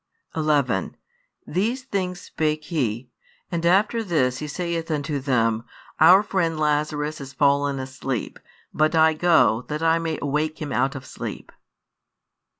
11 These things spake He: and after this He saith unto them, Our friend Lazarus is fallen asleep: but I go, that I may awake him out of sleep.